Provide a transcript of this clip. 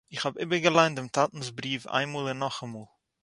איך האב איבערגעלייענט דעם טאטנ'ס בריוו איינמאל און נאכאמאל